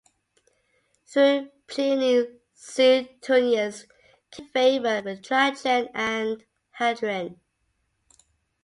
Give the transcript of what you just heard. Through Pliny, Suetonius came into favour with Trajan and Hadrian.